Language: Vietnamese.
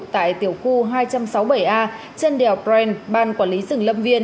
tại tiểu khu hai trăm sáu mươi bảy a trân đèo brand ban quản lý rừng lâm viên